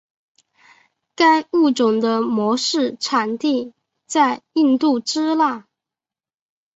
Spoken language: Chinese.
该物种的模式产地在印度支那。